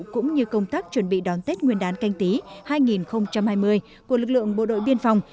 cũng như công tác chuẩn bị đón tết nguyên đán canh tí hai nghìn hai mươi của lực lượng bộ đội biên phòng